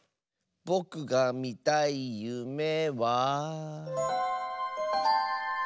ぼくがみたいゆめは。